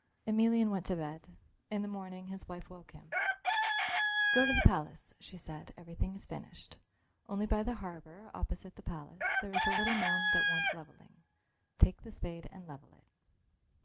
Emelian went to bed. In the morning his wife woke him. "Go to the palace," she said; "everything is finished. Only by the harbour, opposite the palace, there is a little mound that wants levelling; take the spade and level it."